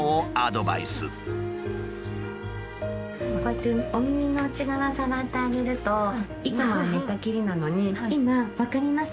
こうやってお耳の内側触ってあげるといつもは寝たきりなのに今分かります？